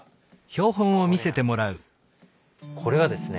これはですね